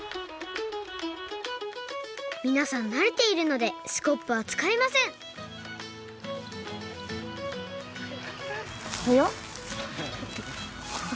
みなさんなれているのでスコップはつかいませんはやっ！